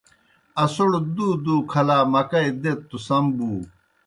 اسَوڑ دُو دُو کھلا مکئی دیت توْ سم بُو۔